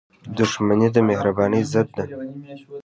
• دښمني د مهربانۍ ضد ده.